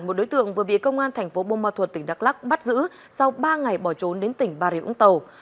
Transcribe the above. một đối tượng vừa bị công an thành phố bô ma thuật tỉnh đắk lắc bắt giữ sau ba ngày bỏ trốn đến tỉnh bà rịa úng tàu